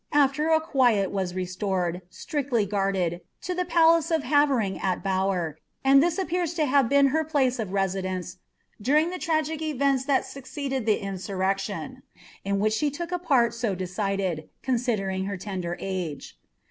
aftfl quiet was restored, strictly guarded, lo the palace of Haverine aiie BoWK and this appears to hare been her place of residence, ditriog the iapai eveiiis Ehat succeeded the insurrection, in which she look a pMt « deciiled, considering her tender age.